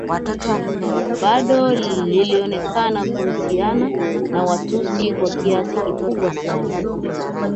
Bado lilionekana kuhusiana na Watusi kwa kiasi kikubwa sana